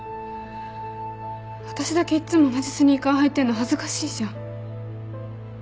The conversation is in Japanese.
私だけいつも同じスニーカー履いてるの恥ずかしいじゃん。